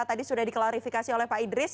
tadi sudah diklarifikasi oleh pak idris